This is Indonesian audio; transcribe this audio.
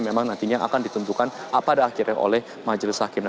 memang nantinya akan ditentukan pada akhirnya oleh majelis hakim